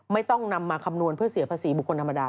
ไม่ต้องนำมาคำนวณเพื่อเสียภาษีบุคคลธรรมดา